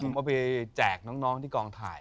ผมเอาไปแจกน้องที่กองถ่าย